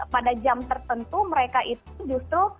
pada jam tertentu mereka itu justru